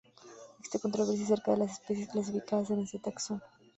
Existe controversia acerca de las especies clasificadas en este taxón.